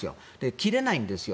切れないんですよ。